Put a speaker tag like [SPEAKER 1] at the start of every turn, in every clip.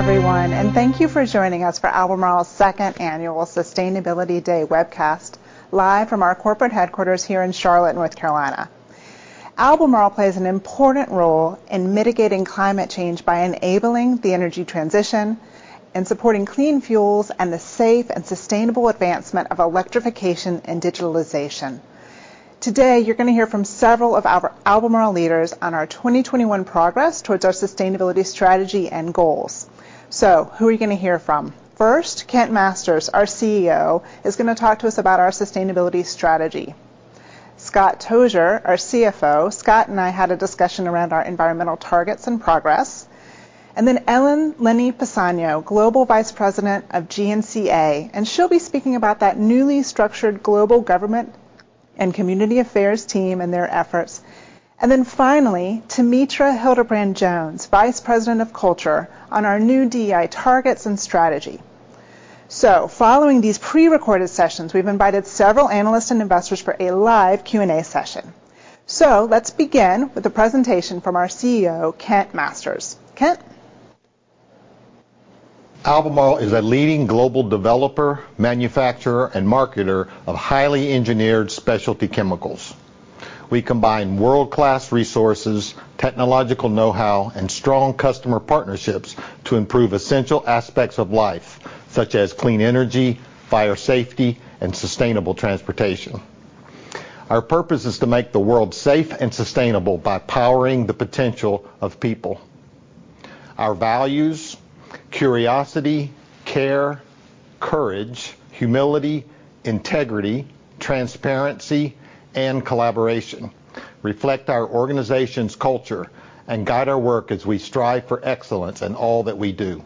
[SPEAKER 1] Hello everyone, and thank you for joining us for Albemarle's second annual Sustainability Day webcast, live from our corporate headquarters here in Charlotte, North Carolina. Albemarle plays an important role in mitigating climate change by enabling the energy transition and supporting clean fuels and the safe and sustainable advancement of electrification and digitalization. Today, you're gonna hear from several of our Albemarle leaders on our 2021 progress towards our sustainability strategy and goals. Who are you gonna hear from? First, Kent Masters, our CEO, is gonna talk to us about our sustainability strategy. Scott Tozier, our CFO. Scott and I had a discussion around our environmental targets and progress. Then Ellen Lenny-Pessagno, Global Vice President of G&CA, and she'll be speaking about that newly structured Global Government and Community Affairs team and their efforts. Finally, Tametra Hildebrand-Jones, Vice President of Culture, on our new DEI targets and strategy. Following these pre-recorded sessions, we've invited several analysts and investors for a live Q&A session. Let's begin with a presentation from our CEO, Kent Masters. Kent?
[SPEAKER 2] Albemarle is a leading global developer, manufacturer, and marketer of highly engineered specialty chemicals. We combine world-class resources, technological know-how, and strong customer partnerships to improve essential aspects of life, such as clean energy, fire safety, and sustainable transportation. Our purpose is to make the world safe and sustainable by powering the potential of people. Our values, curiosity, care, courage, humility, integrity, transparency, and collaboration reflect our organization's culture and guide our work as we strive for excellence in all that we do.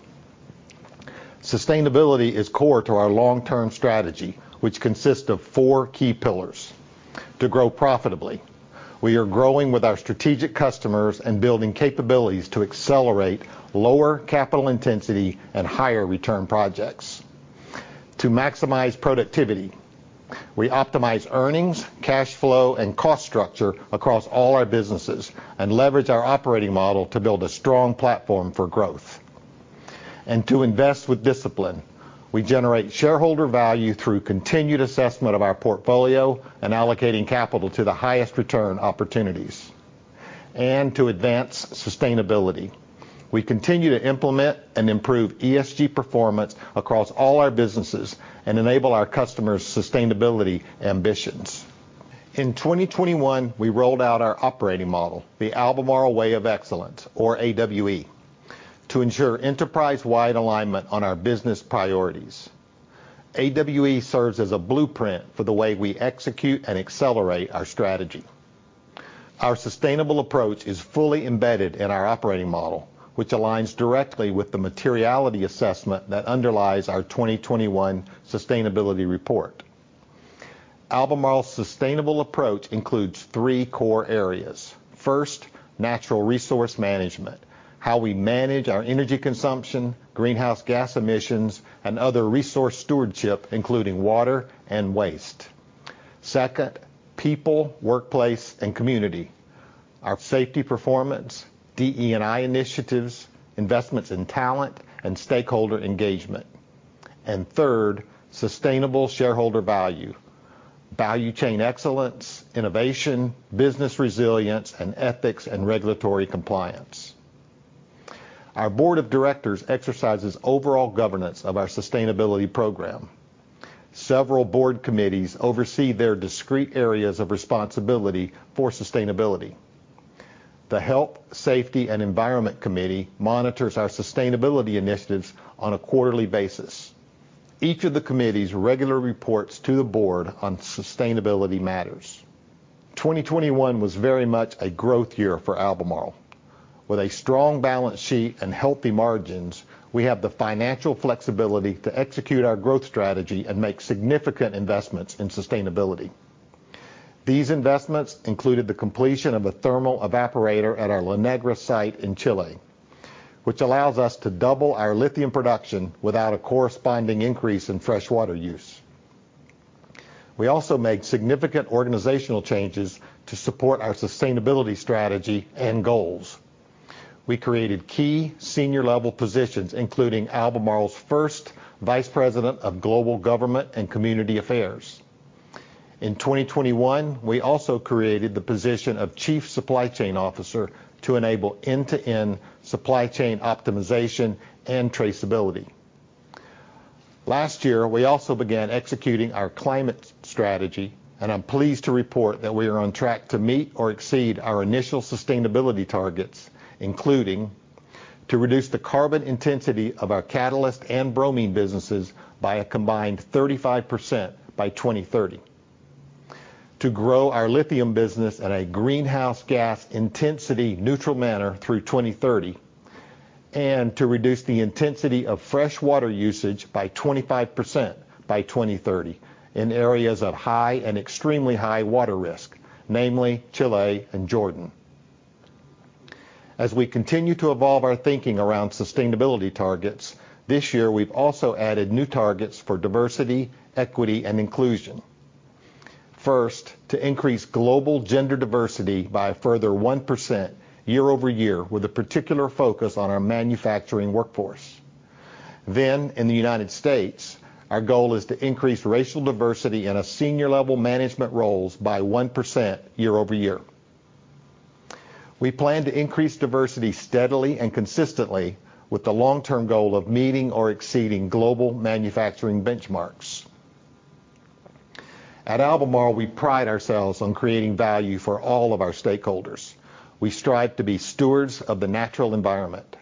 [SPEAKER 2] Sustainability is core to our long-term strategy, which consists of four key pillars. To grow profitably, we are growing with our strategic customers and building capabilities to accelerate lower capital intensity and higher return projects. To maximize productivity, we optimize earnings, cash flow, and cost structure across all our businesses and leverage our operating model to build a strong platform for growth. To invest with discipline, we generate shareholder value through continued assessment of our portfolio and allocating capital to the highest return opportunities. To advance sustainability, we continue to implement and improve ESG performance across all our businesses and enable our customers' sustainability ambitions. In 2021, we rolled out our operating model, the Albemarle Way of Excellence, or AWE, to ensure enterprise-wide alignment on our business priorities. AWE serves as a blueprint for the way we execute and accelerate our strategy. Our sustainable approach is fully embedded in our operating model, which aligns directly with the materiality assessment that underlies our 2021 sustainability report. Albemarle's sustainable approach includes three core areas. First, natural resource management, how we manage our energy consumption, greenhouse gas emissions, and other resource stewardship, including water and waste. Second, people, workplace, and community. Our safety performance, DE&I initiatives, investments in talent, and stakeholder engagement. Third, sustainable shareholder value chain excellence, innovation, business resilience, and ethics and regulatory compliance. Our board of directors exercises overall governance of our sustainability program. Several board committees oversee their discrete areas of responsibility for sustainability. The Health, Safety & Environment Committee monitors our sustainability initiatives on a quarterly basis. Each of the committees regular reports to the board on sustainability matters. 2021 was very much a growth year for Albemarle. With a strong balance sheet and healthy margins, we have the financial flexibility to execute our growth strategy and make significant investments in sustainability. These investments included the completion of a thermal evaporator at our La Negra site in Chile, which allows us to double our lithium production without a corresponding increase in fresh water use. We also made significant organizational changes to support our sustainability strategy and goals. We created key senior level positions, including Albemarle's first Vice President of Global Government and Community Affairs. In 2021, we also created the position of Chief Supply Chain Officer to enable end-to-end supply chain optimization and traceability. Last year, we also began executing our climate strategy, and I'm pleased to report that we are on track to meet or exceed our initial sustainability targets, including to reduce the carbon intensity of our catalyst and bromine businesses by a combined 35% by 2030, to grow our lithium business at a greenhouse gas intensity neutral manner through 2030, and to reduce the intensity of fresh water usage by 25% by 2030 in areas of high and extremely high water risk, namely Chile and Jordan. As we continue to evolve our thinking around sustainability targets, this year we've also added new targets for diversity, equity, and inclusion. First, to increase global gender diversity by a further 1% year-over-year, with a particular focus on our manufacturing workforce. In the United States, our goal is to increase racial diversity in a senior level management roles by 1% year-over-year. We plan to increase diversity steadily and consistently with the long-term goal of meeting or exceeding global manufacturing benchmarks. At Albemarle, we pride ourselves on creating value for all of our stakeholders. We strive to be stewards of the natural environment.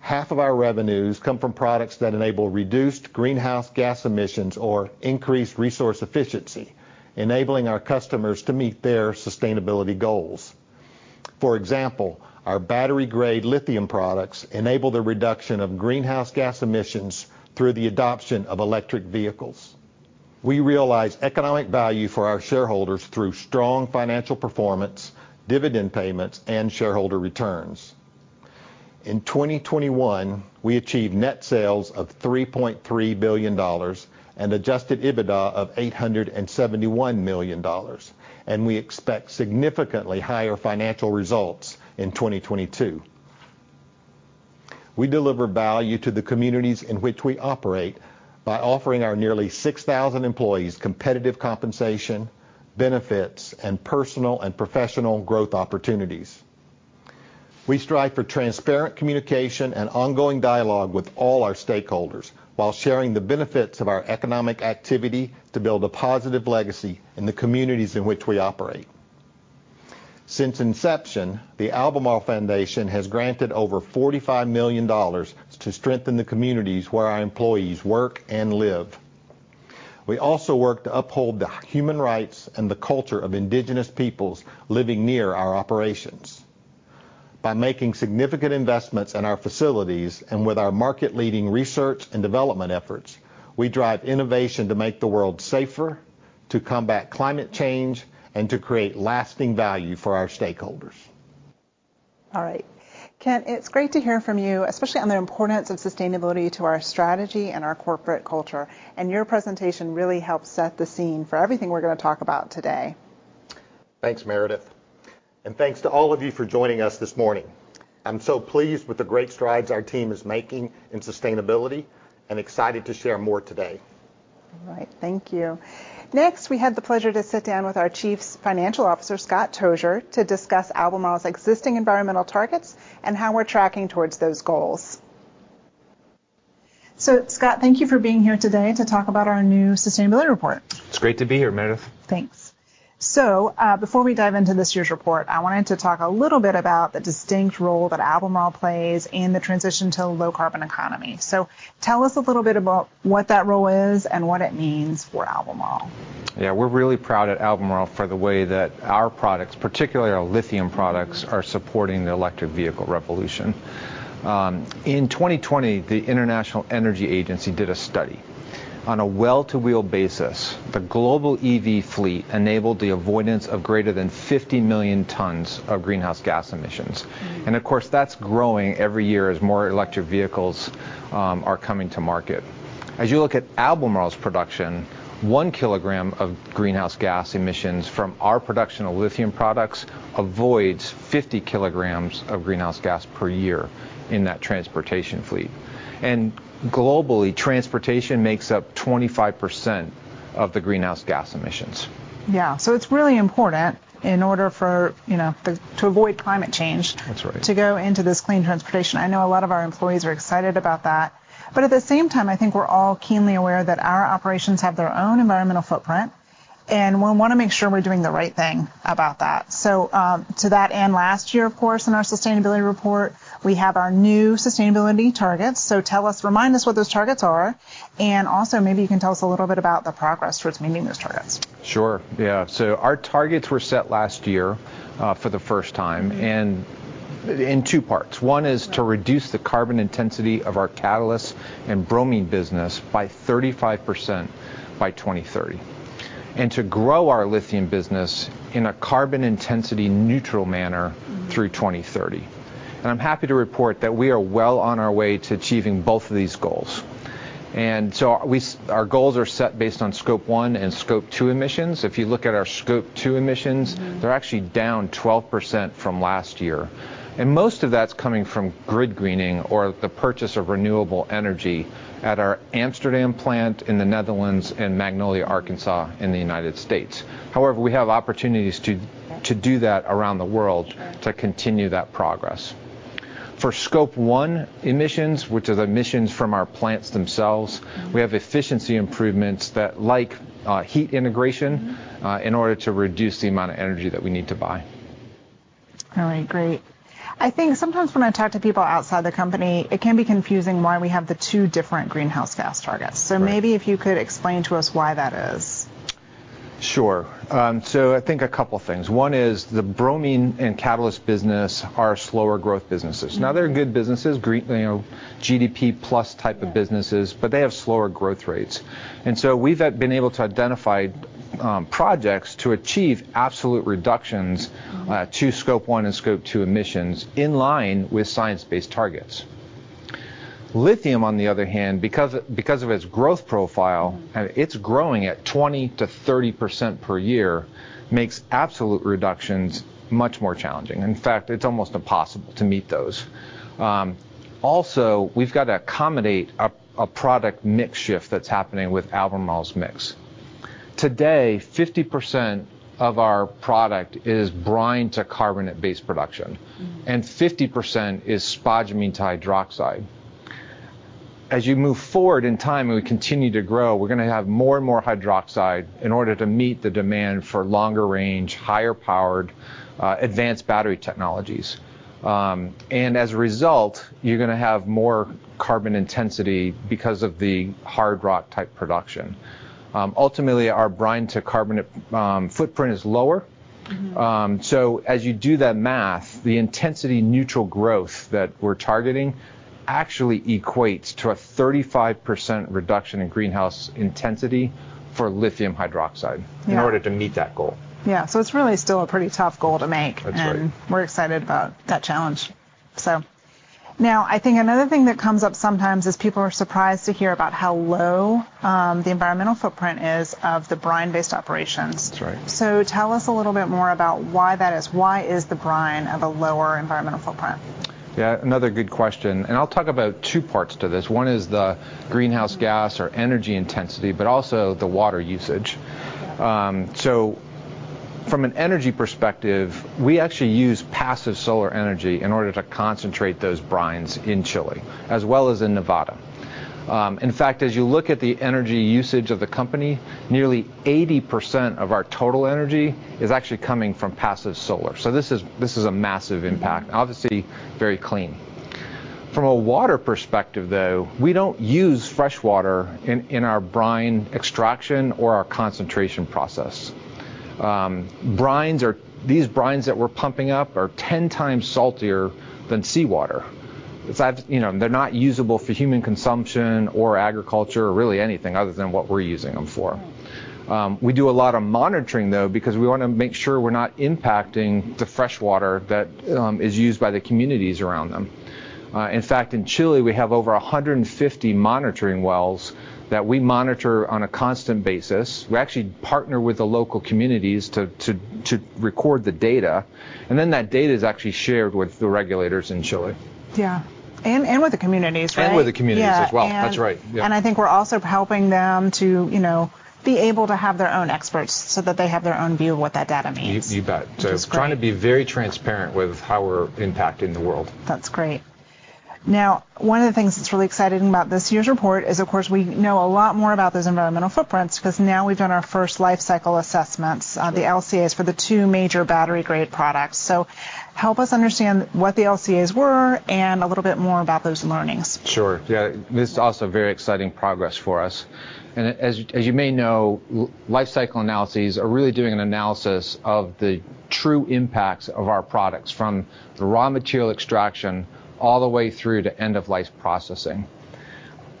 [SPEAKER 2] Half of our revenues come from products that enable reduced greenhouse gas emissions or increased resource efficiency, enabling our customers to meet their sustainability goals. For example, our battery-grade lithium products enable the reduction of greenhouse gas emissions through the adoption of electric vehicles. We realize economic value for our shareholders through strong financial performance, dividend payments, and shareholder returns. In 2021, we achieved net sales of $3.3 billion and adjusted EBITDA of $871 million, and we expect significantly higher financial results in 2022. We deliver value to the communities in which we operate by offering our nearly 6,000 employees competitive compensation, benefits, and personal and professional growth opportunities. We strive for transparent communication and ongoing dialogue with all our stakeholders while sharing the benefits of our economic activity to build a positive legacy in the communities in which we operate. Since inception, the Albemarle Foundation has granted over $45 million to strengthen the communities where our employees work and live. We also work to uphold the human rights and the culture of indigenous peoples living near our operations. By making significant investments in our facilities and with our market-leading research and development efforts, we drive innovation to make the world safer, to combat climate change, and to create lasting value for our stakeholders.
[SPEAKER 1] All right. Kent, it's great to hear from you, especially on the importance of sustainability to our strategy and our corporate culture, and your presentation really helps set the scene for everything we're gonna talk about today.
[SPEAKER 2] Thanks, Meredith, and thanks to all of you for joining us this morning. I'm so pleased with the great strides our team is making in sustainability and excited to share more today.
[SPEAKER 1] All right. Thank you. Next, we had the pleasure to sit down with our Chief Financial Officer, Scott Tozier, to discuss Albemarle's existing environmental targets and how we're tracking towards those goals. Scott, thank you for being here today to talk about our new sustainability report.
[SPEAKER 3] It's great to be here, Meredith.
[SPEAKER 1] Thanks. Before we dive into this year's report, I wanted to talk a little bit about the distinct role that Albemarle plays in the transition to a low carbon economy. Tell us a little bit about what that role is and what it means for Albemarle.
[SPEAKER 3] Yeah, we're really proud at Albemarle for the way that our products, particularly our lithium products, are supporting the electric vehicle revolution. In 2020, the International Energy Agency did a study. On a well-to-wheel basis, the global EV fleet enabled the avoidance of greater than 50 million tons of greenhouse gas emissions.
[SPEAKER 1] Mm.
[SPEAKER 3] Of course, that's growing every year as more electric vehicles are coming to market. As you look at Albemarle's production, 1 kilogram of greenhouse gas emissions from our production of lithium products avoids 50 kilograms of greenhouse gas per year in that transportation fleet. Globally, transportation makes up 25% of the greenhouse gas emissions.
[SPEAKER 1] Yeah. It's really important in order for, you know, to avoid climate change.
[SPEAKER 3] That's right.
[SPEAKER 1] to go into this clean transportation. I know a lot of our employees are excited about that. At the same time, I think we're all keenly aware that our operations have their own environmental footprint, and we wanna make sure we're doing the right thing about that. To that end, last year, of course, in our sustainability report, we have our new sustainability targets. Tell us, remind us what those targets are, and also maybe you can tell us a little bit about the progress towards meeting those targets.
[SPEAKER 3] Sure, yeah. Our targets were set last year, for the first time.
[SPEAKER 1] Mm-hmm
[SPEAKER 3] in two parts. One is
[SPEAKER 1] Right...
[SPEAKER 3] to reduce the carbon intensity of our catalyst and bromine business by 35% by 2030, and to grow our lithium business in a carbon intensity neutral manner through 2030. I'm happy to report that we are well on our way to achieving both of these goals. Our goals are set based on Scope 1 and Scope 2 emissions. If you look at our Scope 2 emissions
[SPEAKER 1] Mm-hmm
[SPEAKER 3] They're actually down 12% from last year, and most of that's coming from grid greening or the purchase of renewable energy at our Amsterdam plant in the Netherlands and Magnolia, Arkansas, in the United States. However, we have opportunities to do that around the world.
[SPEAKER 1] Sure
[SPEAKER 3] to continue that progress. For Scope 1 emissions, which is emissions from our plants themselves.
[SPEAKER 1] Mm-hmm
[SPEAKER 3] We have efficiency improvements that, like, heat integration.
[SPEAKER 1] Mm-hmm
[SPEAKER 3] in order to reduce the amount of energy that we need to buy.
[SPEAKER 1] All right. Great. I think sometimes when I talk to people outside the company, it can be confusing why we have the two different greenhouse gas targets.
[SPEAKER 3] Right.
[SPEAKER 1] Maybe if you could explain to us why that is.
[SPEAKER 3] Sure. I think a couple things. One is the bromine and catalyst business are slower growth businesses.
[SPEAKER 1] Mm-hmm.
[SPEAKER 3] Now, they're good businesses, you know, GDP plus type of businesses.
[SPEAKER 1] Yeah
[SPEAKER 3] They have slower growth rates. We've been able to identify projects to achieve absolute reductions to Scope 1 and Scope 2 emissions in line with science-based targets. Lithium, on the other hand, because of its growth profile, and it's growing at 20%-30% per year, makes absolute reductions much more challenging. In fact, it's almost impossible to meet those. We've got to accommodate a product mix shift that's happening with Albemarle's mix. Today, 50% of our product is brine to carbonate-based production.
[SPEAKER 1] Mm-hmm
[SPEAKER 3] 50% is spodumene to hydroxide. As you move forward in time, and we continue to grow, we're gonna have more and more hydroxide in order to meet the demand for longer range, higher powered, advanced battery technologies. As a result, you're gonna have more carbon intensity because of the hard rock type production. Ultimately, our brine to carbonate footprint is lower.
[SPEAKER 1] Mm-hmm.
[SPEAKER 3] As you do that math, the intensity neutral growth that we're targeting actually equates to a 35% reduction in greenhouse intensity for lithium hydroxide.
[SPEAKER 1] Yeah...
[SPEAKER 3] in order to meet that goal.
[SPEAKER 1] Yeah. It's really still a pretty tough goal to make.
[SPEAKER 3] That's right.
[SPEAKER 1] We're excited about that challenge. Now I think another thing that comes up sometimes is people are surprised to hear about how low the environmental footprint is of the brine-based operations.
[SPEAKER 3] That's right.
[SPEAKER 1] Tell us a little bit more about why that is. Why is the brine have a lower environmental footprint?
[SPEAKER 3] Yeah, another good question, and I'll talk about two parts to this. One is the greenhouse gas
[SPEAKER 1] Mm-hmm
[SPEAKER 3] or energy intensity, but also the water usage. From an energy perspective, we actually use passive solar energy in order to concentrate those brines in Chile, as well as in Nevada. In fact, as you look at the energy usage of the company, nearly 80% of our total energy is actually coming from passive solar. This is a massive impact.
[SPEAKER 1] Mm-hmm.
[SPEAKER 3] Obviously, very clean. From a water perspective, though, we don't use fresh water in our brine extraction or our concentration process. Brines are these brines that we're pumping up are 10 times saltier than seawater. It's you know, they're not usable for human consumption or agriculture or really anything other than what we're using them for. We do a lot of monitoring though because we wanna make sure we're not impacting the fresh water that is used by the communities around them. In fact, in Chile we have over 150 monitoring wells that we monitor on a constant basis. We actually partner with the local communities to record the data, and then that data is actually shared with the regulators in Chile.
[SPEAKER 1] Yeah. With the communities, right?
[SPEAKER 3] With the communities as well.
[SPEAKER 1] Yeah.
[SPEAKER 3] That's right. Yeah
[SPEAKER 1] I think we're also helping them to, you know, be able to have their own experts so that they have their own view of what that data means.
[SPEAKER 3] You bet.
[SPEAKER 1] Which is great.
[SPEAKER 3] Trying to be very transparent with how we're impacting the world.
[SPEAKER 1] That's great. Now, one of the things that's really exciting about this year's report is, of course, we know a lot more about those environmental footprints 'cause now we've done our first life cycle assessments.
[SPEAKER 3] Sure
[SPEAKER 1] The LCAs for the two major battery grade products. Help us understand what the LCAs were and a little bit more about those learnings.
[SPEAKER 3] Sure, yeah. This is also very exciting progress for us. As you may know, life cycle analyses are really doing an analysis of the true impacts of our products from the raw material extraction all the way through to end-of-life processing.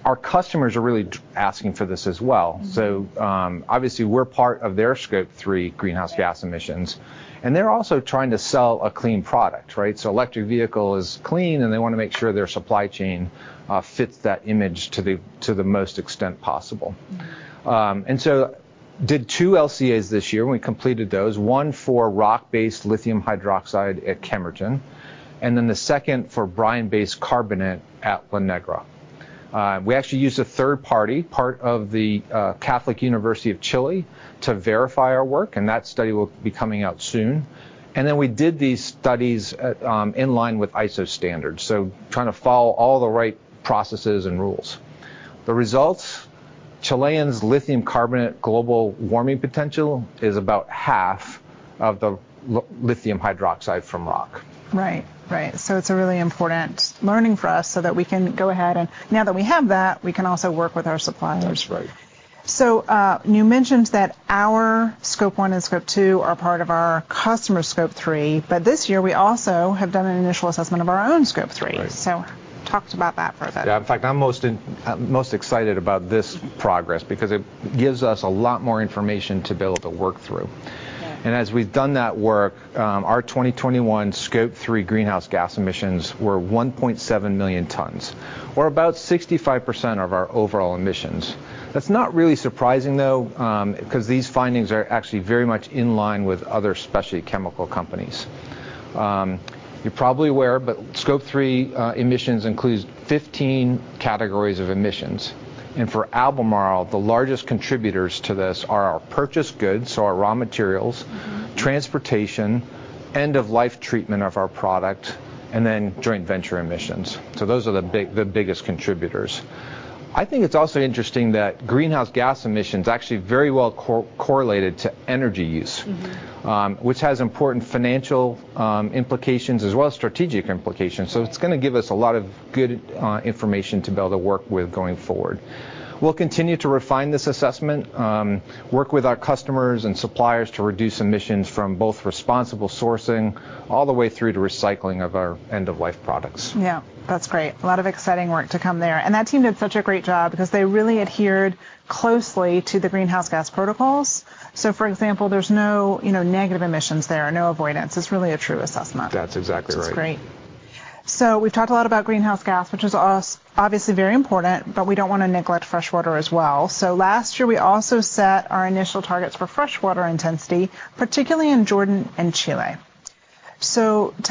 [SPEAKER 3] Our customers are really asking for this as well.
[SPEAKER 1] Mm-hmm.
[SPEAKER 3] Obviously we're part of their Scope 3 greenhouse gas emissions.
[SPEAKER 1] Yeah.
[SPEAKER 3] They're also trying to sell a clean product, right? Electric vehicle is clean, and they wanna make sure their supply chain fits that image to the most extent possible.
[SPEAKER 1] Mm-hmm.
[SPEAKER 3] We did two LCAs this year when we completed those, one for rock-based lithium hydroxide at Kemerton, and then the second for brine-based carbonate at La Negra. We actually used a third party, part of the Pontifical Catholic University of Chile, to verify our work, and that study will be coming out soon. We did these studies in line with ISO standards, so trying to follow all the right processes and rules. The results, Chilean lithium carbonate global warming potential is about half of the lithium hydroxide from rock.
[SPEAKER 1] Right. It's a really important learning for us so that we can go ahead. Now that we have that, we can also work with our suppliers.
[SPEAKER 3] That's right.
[SPEAKER 1] You mentioned that our Scope 1 and Scope 2 are part of our customer Scope 3, but this year we also have done an initial assessment of our own Scope 3.
[SPEAKER 3] That's right.
[SPEAKER 1] Talk to us about that for a second.
[SPEAKER 3] Yeah. In fact, I'm most excited about this progress because it gives us a lot more information to be able to work through.
[SPEAKER 1] Yeah.
[SPEAKER 3] As we've done that work, our 2021 Scope 3 greenhouse gas emissions were 1.7 million tons or about 65% of our overall emissions. That's not really surprising though, 'cause these findings are actually very much in line with other specialty chemical companies. You're probably aware, but Scope 3 emissions includes 15 categories of emissions. For Albemarle, the largest contributors to this are our purchased goods, so our raw materials.
[SPEAKER 1] Mm-hmm
[SPEAKER 3] transportation, end-of-life treatment of our product, and then joint venture emissions. Those are the biggest contributors. I think it's also interesting that greenhouse gas emissions actually very well correlated to energy use.
[SPEAKER 1] Mm-hmm
[SPEAKER 3] which has important financial implications as well as strategic implications.
[SPEAKER 1] Mm-hmm.
[SPEAKER 3] It's gonna give us a lot of good information to be able to work with going forward. We'll continue to refine this assessment, work with our customers and suppliers to reduce emissions from both responsible sourcing all the way through to recycling of our end-of-life products.
[SPEAKER 1] Yeah. That's great. A lot of exciting work to come there. That team did such a great job because they really adhered closely to the Greenhouse Gas Protocol. For example, there's no, you know, negative emissions there, no avoidance. It's really a true assessment.
[SPEAKER 3] That's exactly right.
[SPEAKER 1] Which is great. We've talked a lot about greenhouse gas, which is also obviously very important, but we don't wanna neglect freshwater as well. Last year we also set our initial targets for freshwater intensity, particularly in Jordan and Chile. Remind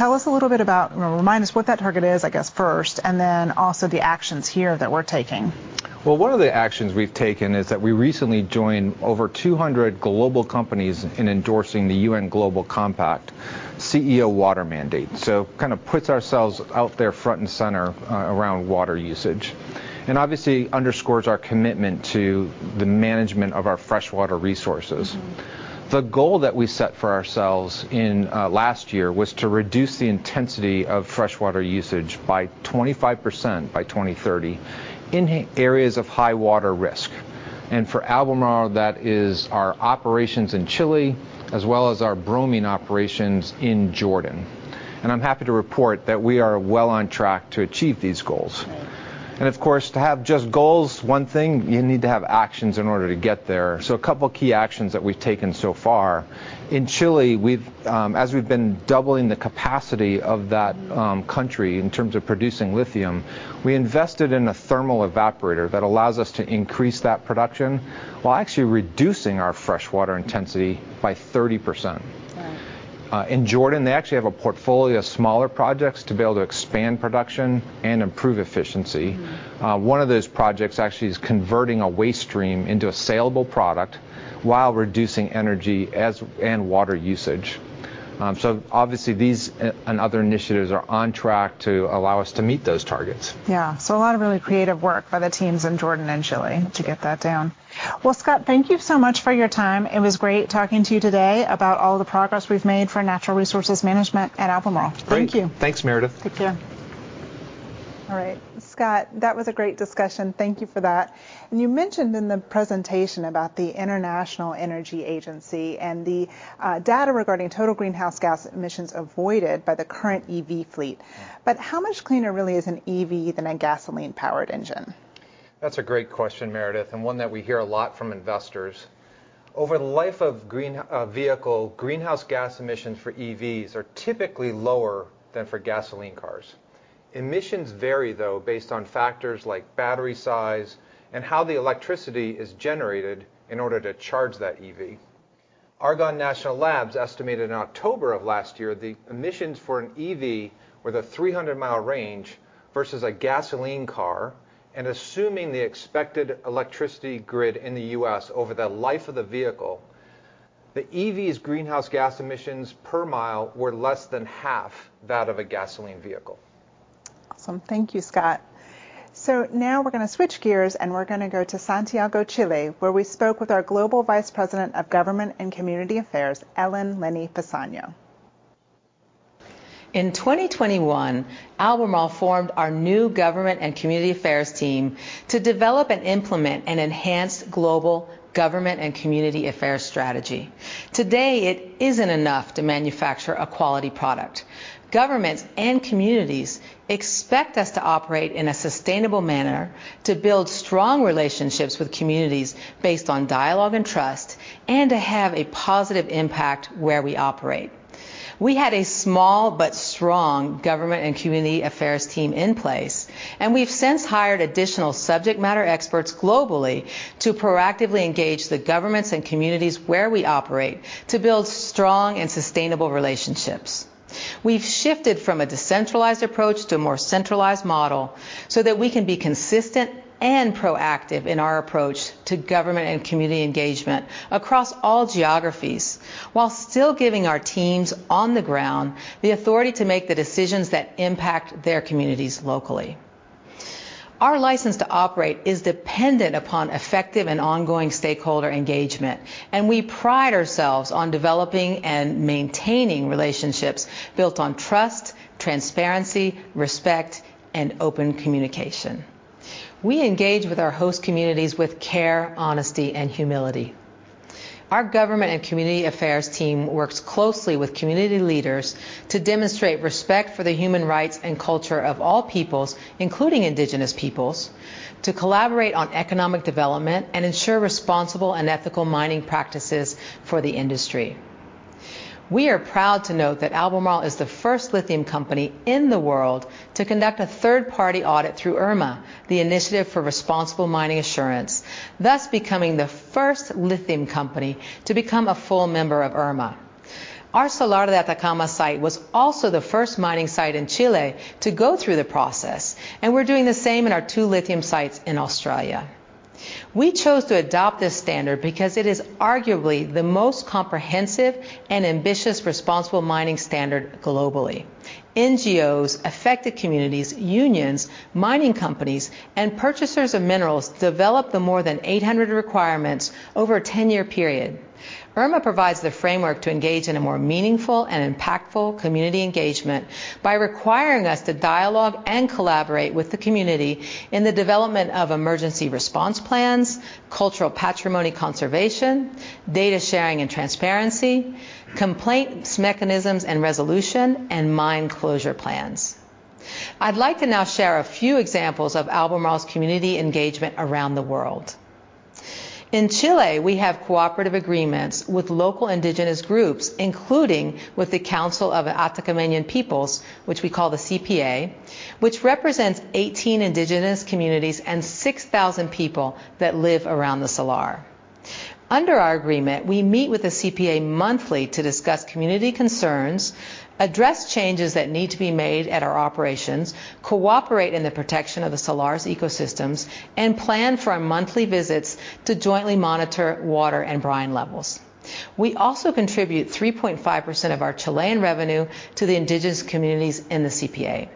[SPEAKER 1] us what that target is, I guess, first, and then also the actions here that we're taking.
[SPEAKER 3] Well, one of the actions we've taken is that we recently joined over 200 global companies in endorsing the UN Global Compact CEO Water Mandate. Kind of puts ourselves out there front and center, around water usage, and obviously underscores our commitment to the management of our freshwater resources.
[SPEAKER 1] Mm-hmm.
[SPEAKER 3] The goal that we set for ourselves in last year was to reduce the intensity of freshwater usage by 25% by 2030 in areas of high water risk. For Albemarle, that is our operations in Chile, as well as our bromine operations in Jordan. I'm happy to report that we are well on track to achieve these goals.
[SPEAKER 1] Right.
[SPEAKER 3] Of course, to have just goals, one thing, you need to have actions in order to get there. A couple key actions that we've taken so far. In Chile, we've as we've been doubling the capacity of that.
[SPEAKER 1] Mm-hmm
[SPEAKER 3] Country in terms of producing lithium, we invested in a thermal evaporator that allows us to increase that production while actually reducing our freshwater intensity by 30%.
[SPEAKER 1] Wow.
[SPEAKER 3] In Jordan, they actually have a portfolio of smaller projects to be able to expand production and improve efficiency.
[SPEAKER 1] Mm-hmm.
[SPEAKER 3] One of those projects actually is converting a waste stream into a saleable product while reducing energy and water usage. Obviously these and other initiatives are on track to allow us to meet those targets.
[SPEAKER 1] Yeah. A lot of really creative work by the teams in Jordan and Chile to get that down. Well, Scott, thank you so much for your time. It was great talking to you today about all the progress we've made for natural resources management at Albemarle.
[SPEAKER 3] Great.
[SPEAKER 1] Thank you.
[SPEAKER 3] Thanks, Meredith.
[SPEAKER 1] Take care. All right, Scott, that was a great discussion. Thank you for that. You mentioned in the presentation about the International Energy Agency and the data regarding total greenhouse gas emissions avoided by the current EV fleet.
[SPEAKER 3] Yeah.
[SPEAKER 1] How much cleaner really is an EV than a gasoline-powered engine?
[SPEAKER 3] That's a great question, Meredith, and one that we hear a lot from investors. Over the life of a green vehicle, greenhouse gas emissions for EVs are typically lower than for gasoline cars. Emissions vary, though, based on factors like battery size and how the electricity is generated in order to charge that EV. Argonne National Laboratory estimated in October of last year the emissions for an EV with a 300-mile range versus a gasoline car, and assuming the expected electricity grid in the U.S. over the life of the vehicle, the EV's greenhouse gas emissions per mile were less than half that of a gasoline vehicle.
[SPEAKER 1] Awesome. Thank you, Scott. Now we're gonna switch gears, and we're gonna go to Santiago, Chile, where we spoke with our Global Vice President of Government and Community Affairs, Ellen Lenny-Pessagno.
[SPEAKER 4] In 2021, Albemarle formed our new government and community affairs team to develop and implement an enhanced global government and community affairs strategy. Today, it isn't enough to manufacture a quality product. Governments and communities expect us to operate in a sustainable manner, to build strong relationships with communities based on dialogue and trust, and to have a positive impact where we operate. We had a small but strong government and community affairs team in place, and we've since hired additional subject matter experts globally to proactively engage the governments and communities where we operate to build strong and sustainable relationships. We've shifted from a decentralized approach to a more centralized model, so that we can be consistent and proactive in our approach to government and community engagement across all geographies while still giving our teams on the ground the authority to make the decisions that impact their communities locally. Our license to operate is dependent upon effective and ongoing stakeholder engagement, and we pride ourselves on developing and maintaining relationships built on trust, transparency, respect, and open communication. We engage with our host communities with care, honesty, and humility. Our government and community affairs team works closely with community leaders to demonstrate respect for the human rights and culture of all peoples, including Indigenous peoples, to collaborate on economic development and ensure responsible and ethical mining practices for the industry. We are proud to note that Albemarle is the first lithium company in the world to conduct a third-party audit through IRMA, the Initiative for Responsible Mining Assurance, thus becoming the first lithium company to become a full member of IRMA. Our Salar de Atacama site was also the first mining site in Chile to go through the process, and we're doing the same in our two lithium sites in Australia. We chose to adopt this standard because it is arguably the most comprehensive and ambitious responsible mining standard globally. NGOs, affected communities, unions, mining companies, and purchasers of minerals developed the more than 800 requirements over a 10-year period. IRMA provides the framework to engage in a more meaningful and impactful community engagement by requiring us to dialogue and collaborate with the community in the development of emergency response plans, cultural patrimony conservation, data sharing and transparency, complaints mechanisms and resolution, and mine closure plans. I'd like to now share a few examples of Albemarle's community engagement around the world. In Chile, we have cooperative agreements with local indigenous groups, including with the Council of Atacameño Peoples, which we call the CPA, which represents 18 indigenous communities and 6,000 people that live around the Salar. Under our agreement, we meet with the CPA monthly to discuss community concerns, address changes that need to be made at our operations, cooperate in the protection of the Salar's ecosystems, and plan for our monthly visits to jointly monitor water and brine levels. We also contribute 3.5% of our Chilean revenue to the indigenous communities in the CPA.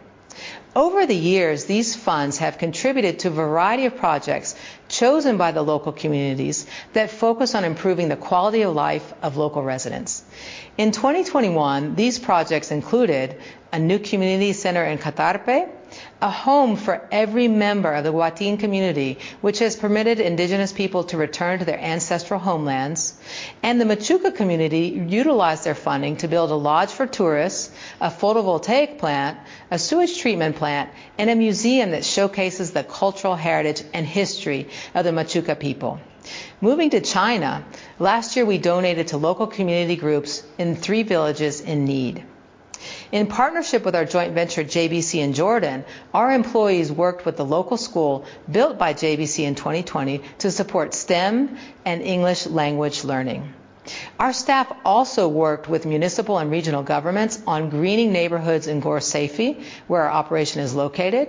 [SPEAKER 4] Over the years, these funds have contributed to a variety of projects chosen by the local communities that focus on improving the quality of life of local residents. In 2021, these projects included a new community center in Catarpe, a home for every member of the Huatín community, which has permitted indigenous people to return to their ancestral homelands, and the Machuca community utilized their funding to build a lodge for tourists, a photovoltaic plant, a sewage treatment plant, and a museum that showcases the cultural heritage and history of the Machuca people. Moving to China, last year we donated to local community groups in three villages in need. In partnership with our joint venture JBC in Jordan, our employees worked with the local school built by JBC in 2020 to support STEM and English language learning. Our staff also worked with municipal and regional governments on greening neighborhoods in Ghor Safi, where our operation is located,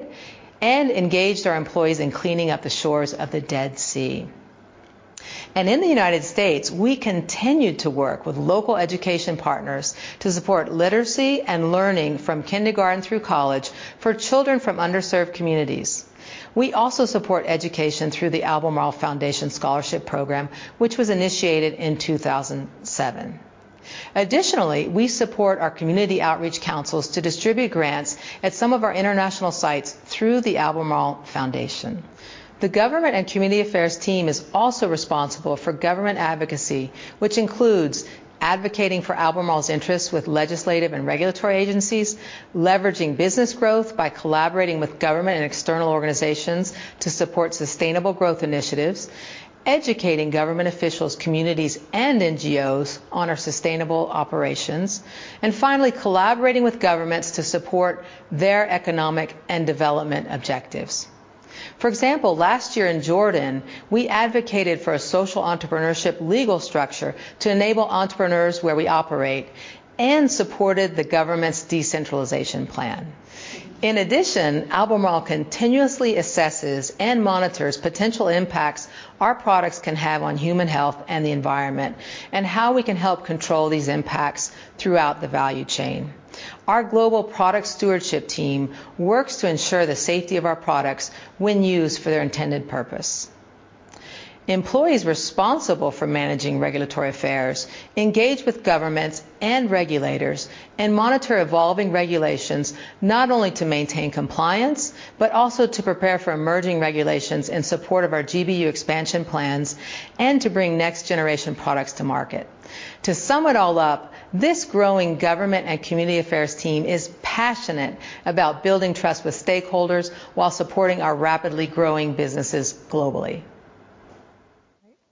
[SPEAKER 4] and engaged our employees in cleaning up the shores of the Dead Sea. In the United States, we continued to work with local education partners to support literacy and learning from kindergarten through college for children from underserved communities. We also support education through the Albemarle Foundation Scholarship Program, which was initiated in 2007. Additionally, we support our community outreach councils to distribute grants at some of our international sites through the Albemarle Foundation. The Government and Community Affairs team is also responsible for government advocacy, which includes advocating for Albemarle's interests with legislative and regulatory agencies, leveraging business growth by collaborating with government and external organizations to support sustainable growth initiatives, educating government officials, communities, and NGOs on our sustainable operations, and finally, collaborating with governments to support their economic and development objectives. For example, last year in Jordan, we advocated for a social entrepreneurship legal structure to enable entrepreneurs where we operate and supported the government's decentralization plan. In addition, Albemarle continuously assesses and monitors potential impacts our products can have on human health and the environment and how we can help control these impacts throughout the value chain. Our global product stewardship team works to ensure the safety of our products when used for their intended purpose. Employees responsible for managing regulatory affairs engage with governments and regulators and monitor evolving regulations, not only to maintain compliance, but also to prepare for emerging regulations in support of our GBU expansion plans and to bring next-generation products to market. To sum it all up, this growing government and community affairs team is passionate about building trust with stakeholders while supporting our rapidly growing businesses globally.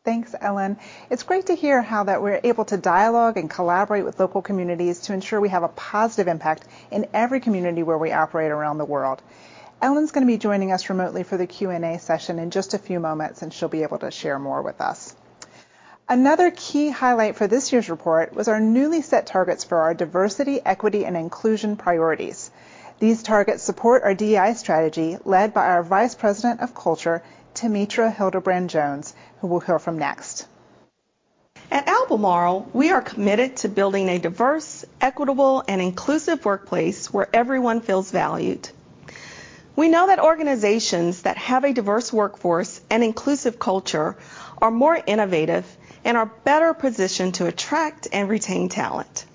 [SPEAKER 1] Thanks, Ellen. It's great to hear how we're able to dialogue and collaborate with local communities to ensure we have a positive impact in every community where we operate around the world. Ellen's gonna be joining us remotely for the Q&A session in just a few moments, and she'll be able to share more with us. Another key highlight for this year's report was our newly set targets for our diversity, equity, and inclusion priorities. These targets support our DEI strategy led by our Vice President of Culture, Tametra Hildebrand-Jones, who we'll hear from next.
[SPEAKER 4] At Albemarle, we are committed to building a diverse, equitable, and inclusive workplace where everyone feels valued. We know that organizations that have a diverse workforce and inclusive culture are more innovative and are better positioned to attract and retain talent.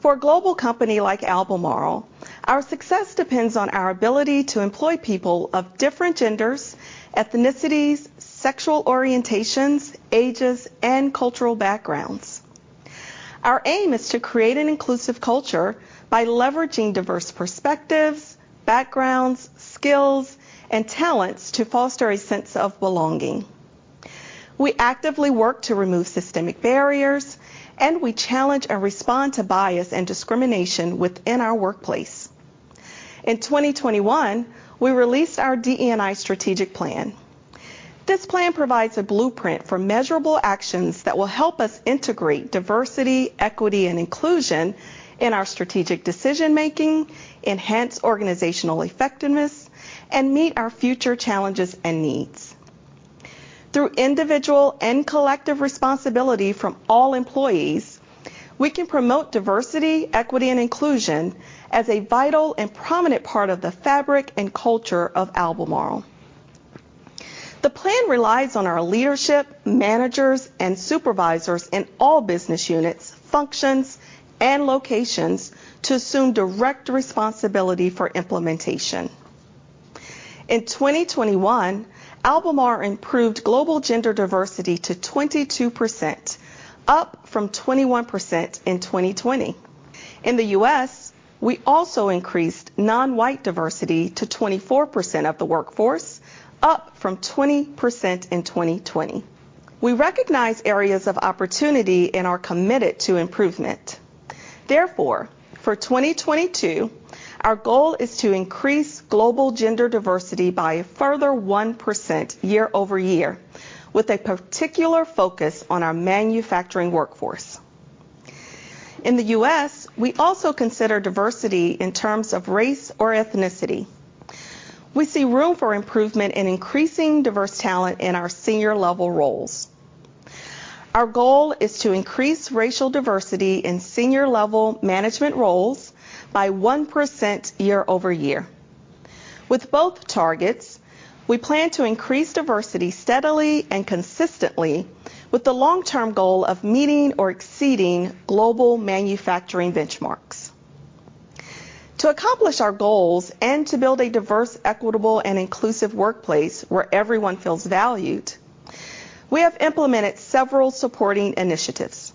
[SPEAKER 4] For a global company like Albemarle, our success depends on our ability to employ people of different genders, ethnicities, sexual orientations, ages, and cultural backgrounds. Our aim is to create an inclusive culture by leveraging diverse perspectives, backgrounds, skills, and talents to foster a sense of belonging. We actively work to remove systemic barriers, and we challenge and respond to bias and discrimination within our workplace. In 2021, we released our DEI strategic plan. This plan provides a blueprint for measurable actions that will help us integrate diversity, equity, and inclusion in our strategic decision-making, enhance organizational effectiveness, and meet our future challenges and needs. Through individual and collective responsibility from all employees, we can promote diversity, equity, and inclusion as a vital and prominent part of the fabric and culture of Albemarle. The plan relies on our leadership, managers, and supervisors in all business units, functions, and locations to assume direct responsibility for implementation.
[SPEAKER 5] In 2021, Albemarle improved global gender diversity to 22%, up from 21% in 2020. In the U.S., we also increased non-white diversity to 24% of the workforce, up from 20% in 2020. We recognize areas of opportunity and are committed to improvement. Therefore, for 2022, our goal is to increase global gender diversity by a further 1% year-over-year, with a particular focus on our manufacturing workforce. In the U.S., we also consider diversity in terms of race or ethnicity. We see room for improvement in increasing diverse talent in our senior level roles. Our goal is to increase racial diversity in senior level management roles by 1% year-over-year. With both targets, we plan to increase diversity steadily and consistently with the long-term goal of meeting or exceeding global manufacturing benchmarks. To accomplish our goals and to build a diverse, equitable, and inclusive workplace where everyone feels valued, we have implemented several supporting initiatives.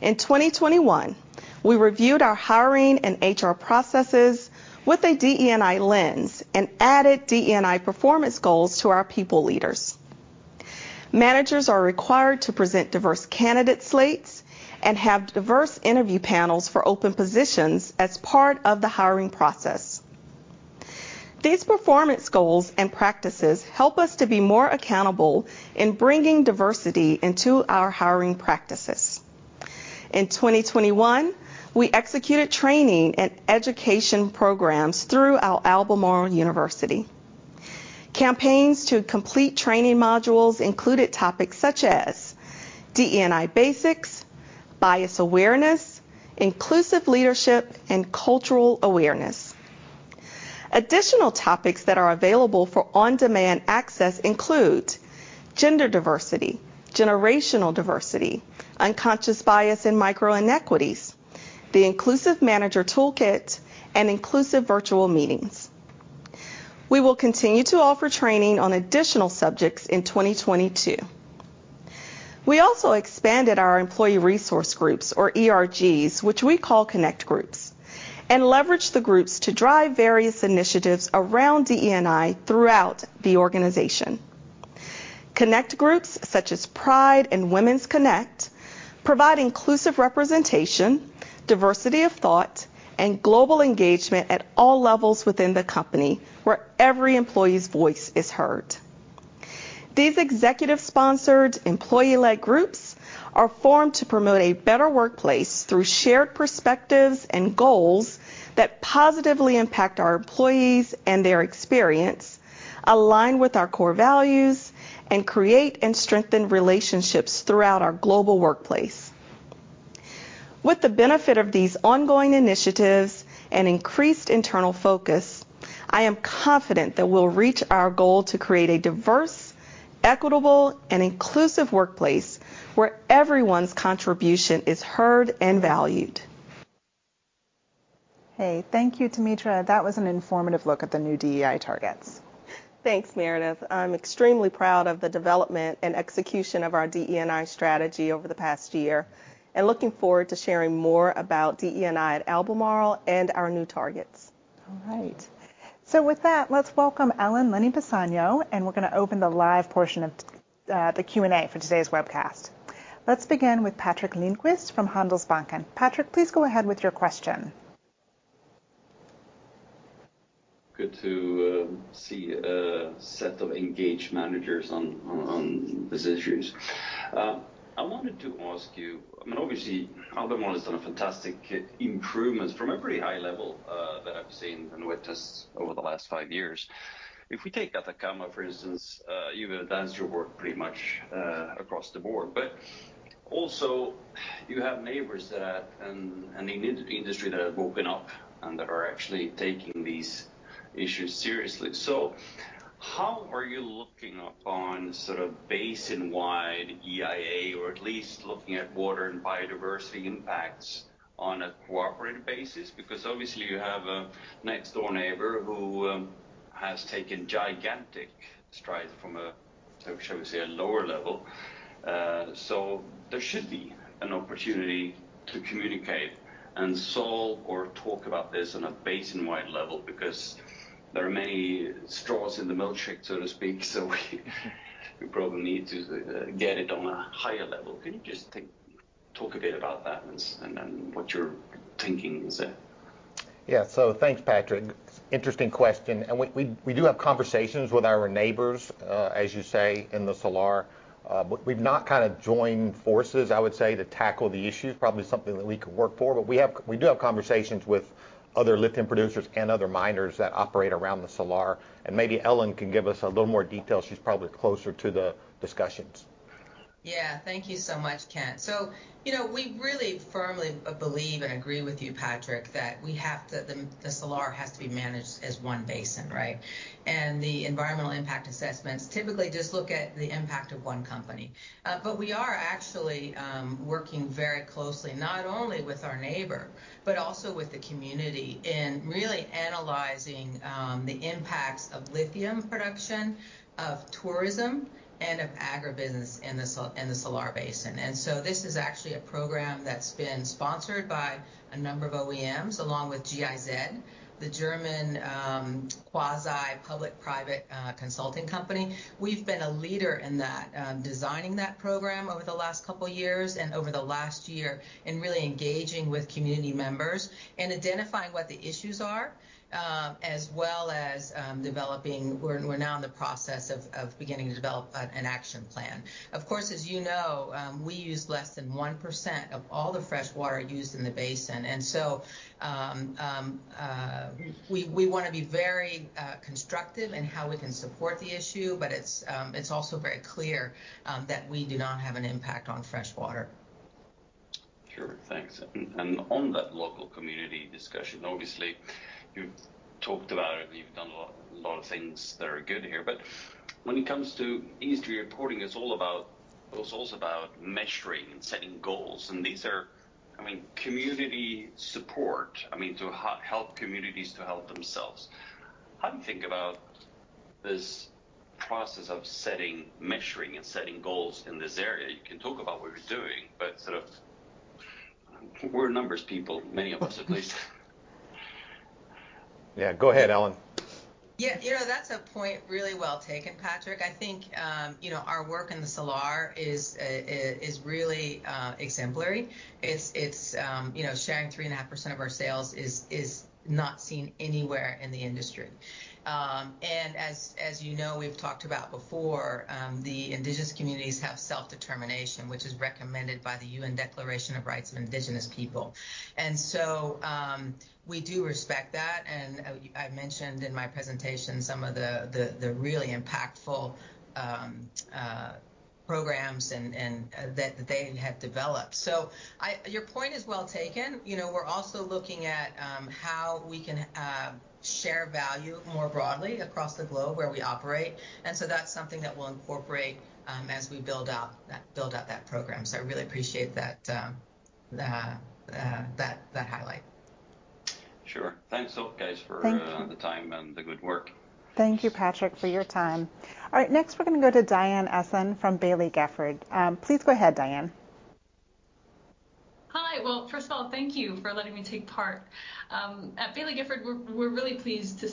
[SPEAKER 5] In 2021, we reviewed our hiring and HR processes with a DE&I lens and added DE&I performance goals to our people leaders. Managers are required to present diverse candidate slates and have diverse interview panels for open positions as part of the hiring process. These performance goals and practices help us to be more accountable in bringing diversity into our hiring practices. In 2021, we executed training and education programs through our Albemarle University. Campaigns to complete training modules included topics such as DE&I basics, bias awareness, inclusive leadership, and cultural awareness. Additional topics that are available for on-demand access include gender diversity, generational diversity, unconscious bias and micro-inequities, the inclusive manager toolkit, and inclusive virtual meetings. We will continue to offer training on additional subjects in 2022. We also expanded our employee resource groups, or ERGs, which we call Connect Groups, and leveraged the groups to drive various initiatives around DE&I throughout the organization. Connect Groups such as Pride Connect and Women Connect provide inclusive representation, diversity of thought, and global engagement at all levels within the company, where every employee's voice is heard. These executive-sponsored, employee-led groups are formed to promote a better workplace through shared perspectives and goals that positively impact our employees and their experience, align with our core values, and create and strengthen relationships throughout our global workplace. With the benefit of these ongoing initiatives and increased internal focus, I am confident that we'll reach our goal to create a diverse, equitable, and inclusive workplace where everyone's contribution is heard and valued.
[SPEAKER 1] Hey, thank you, Tametra. That was an informative look at the new DEI targets.
[SPEAKER 5] Thanks, Meredith. I'm extremely proud of the development and execution of our DE&I strategy over the past year, and looking forward to sharing more about DE&I at Albemarle and our new targets.
[SPEAKER 1] All right. With that, let's welcome Ellen Lenny-Pessagno, and we're gonna open the live portion of the Q&A for today's webcast. Let's begin with Peter Lindqvist from Handelsbanken. Peter, please go ahead with your question.
[SPEAKER 6] Good to see a set of engaged managers on these issues. I wanted to ask you. I mean, obviously Albemarle has done fantastic improvements from a pretty high level that I've seen and witnessed over the last five years. If we take Atacama, for instance, you've enhanced your work pretty much across the board. You also have neighbors that are an industry that have woken up and that are actually taking these issues seriously. How are you looking upon sort of basin-wide EIA, or at least looking at water and biodiversity impacts on a cooperative basis? Because obviously you have a next door neighbor who has taken gigantic strides from a, sort of, shall we say, a lower level. There should be an opportunity to communicate and solve or talk about this on a basin-wide level because there are many straws in the milkshake, so to speak. We probably need to get it on a higher level. Can you just talk a bit about that and what your thinking is there?
[SPEAKER 2] Yeah. Thanks, Peter. Interesting question, and we do have conversations with our neighbors, as you say, in the Salar. We've not kinda joined forces, I would say, to tackle the issues. Probably something that we could work for. We have conversations with other lithium producers and other miners that operate around the Salar, and maybe Ellen can give us a little more detail. She's probably closer to the discussions.
[SPEAKER 4] Yeah. Thank you so much, Kent. You know, we really firmly believe and agree with you, Peter Lindqvist, that the Salar has to be managed as one basin, right? The environmental impact assessments typically just look at the impact of one company. We are actually working very closely, not only with our neighbor but also with the community in really analyzing the impacts of lithium production, of tourism, and of agribusiness in the Salar Basin. This is actually a program that's been sponsored by a number of OEMs, along with GIZ. The German quasi-public private consulting company. We've been a leader in that, designing that program over the last couple years and over the last year in really engaging with community members and identifying what the issues are, as well as developing. We're now in the process of beginning to develop an action plan. Of course, as you know, we use less than 1% of all the fresh water used in the basin, and so we wanna be very constructive in how we can support the issue, but it's also very clear that we do not have an impact on fresh water.
[SPEAKER 6] Sure. Thanks. On that local community discussion, obviously you've talked about it, and you've done a lot of things that are good here. But when it comes to ESG reporting, it's all about, it's also about measuring and setting goals, and these are, I mean, community support, I mean, to help communities to help themselves. How do you think about this process of setting, measuring, and setting goals in this area? You can talk about what you're doing, but sort of we're numbers people, many of us at least.
[SPEAKER 2] Yeah, go ahead, Ellen.
[SPEAKER 4] Yeah. You know, that's a point really well taken, Peter. I think, you know, our work in the Salar is really exemplary. It's sharing 3.5% of our sales is not seen anywhere in the industry. As you know we've talked about before, the indigenous communities have self-determination, which is recommended by the UN Declaration on the Rights of Indigenous Peoples. We do respect that, and I mentioned in my presentation some of the really impactful programs and that they have developed. Your point is well taken. You know, we're also looking at how we can share value more broadly across the globe where we operate. That's something that we'll incorporate as we build out that program. I really appreciate that highlight.
[SPEAKER 6] Sure. Thanks, all, guys.
[SPEAKER 1] Thank you.
[SPEAKER 6] for the time and the good work.
[SPEAKER 1] Thank you, Peter, for your time. All right. Next, we're gonna go to Diane Esson from Baillie Gifford. Please go ahead, Diane.
[SPEAKER 7] Hi. Well, first of all, thank you for letting me take part. At Baillie Gifford, we're really pleased to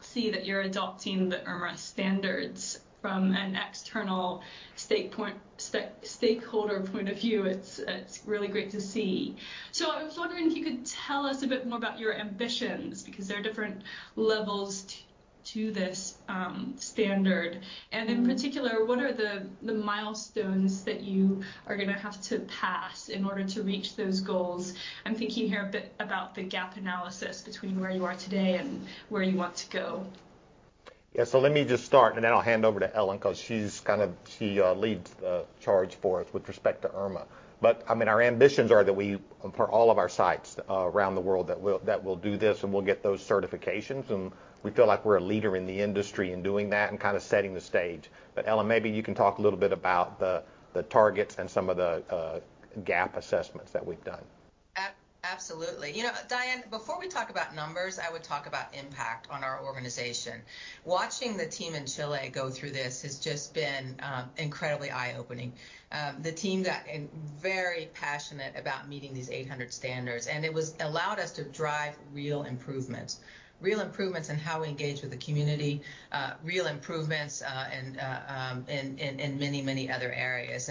[SPEAKER 7] see that you're adopting the IRMA standards from an external stakeholder point of view. It's really great to see. I was wondering if you could tell us a bit more about your ambitions, because there are different levels to this standard.
[SPEAKER 1] Mm.
[SPEAKER 7] In particular, what are the milestones that you are gonna have to pass in order to reach those goals? I'm thinking here a bit about the gap analysis between where you are today and where you want to go.
[SPEAKER 2] Yeah. Let me just start, and then I'll hand over to Ellen 'cause she's kind of leads the charge for us with respect to IRMA. I mean, our ambitions are that we, for all of our sites around the world, that we'll do this, and we'll get those certifications, and we feel like we're a leader in the industry in doing that and kinda setting the stage. Ellen, maybe you can talk a little bit about the targets and some of the gap assessments that we've done.
[SPEAKER 4] Absolutely. You know, Diane, before we talk about numbers, I would talk about impact on our organization. Watching the team in Chile go through this has just been incredibly eye-opening. The team got very passionate about meeting these 800 standards, and it was allowed us to drive real improvements. Real improvements in how we engage with the community, real improvements in many other areas.